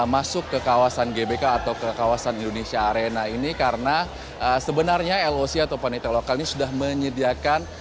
masuk ke kawasan gbk atau ke kawasan indonesia arena ini karena sebenarnya loc atau panitia lokal ini sudah menyediakan